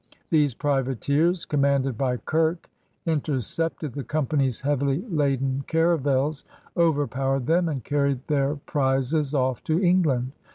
These privateers, commanded by Kirke, inter cepted the Company's heavily laden caravels, overpowered them, and carried their prizes off to England.